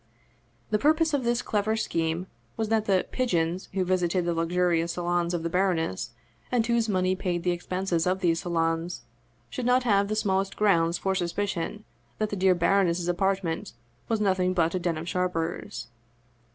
The purpose of this clever scheme was that the " pigeons " who visited the luxurious salons of the baroness, and whose money paid the expenses of these salons, should not have the smallest grounds for suspicion that the dear baroness's apartment was nothing but a den of sharpers.